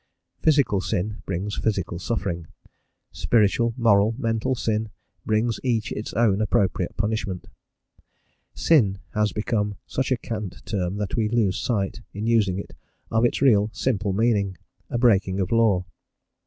Physical sin brings physical suffering; spiritual, moral, mental sin brings each its own appropriate punishment. "Sin" has become such a cant term that we lose sight, in using it, of its real simple meaning, a breaking of law.